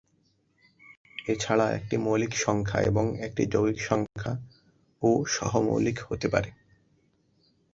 এছাড়া একটি মৌলিক সংখ্যা এবং একটি যৌগিক সংখ্যা ও সহ-মৌলিক হতে পারে।